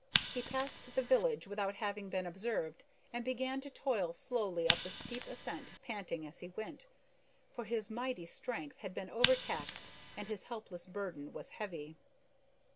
He passed the village without having been observed, and began to toil slowly up the steep ascent panting as he went, for his mighty strength had been overtaxed, and his helpless burden was heavy.